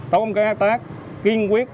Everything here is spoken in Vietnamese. tổng cơ tác kiên quyết